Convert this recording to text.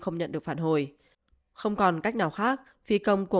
không nhận được phản hồi không còn cách nào khác phi công của